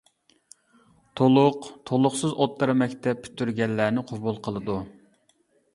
تولۇق، تولۇقسىز ئوتتۇرا مەكتەپ پۈتتۈرگەنلەرنى قوبۇل قىلىدۇ.